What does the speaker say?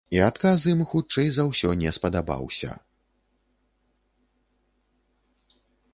І адказ ім, хутчэй за ўсё, не спадабаўся.